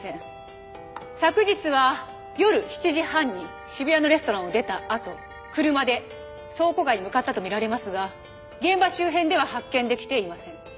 昨日は夜７時半に渋谷のレストランを出たあと車で倉庫街に向かったとみられますが現場周辺では発見できていません。